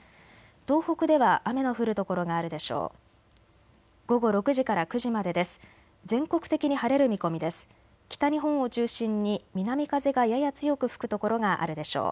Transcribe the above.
東北では雨の降る所があるでしょう。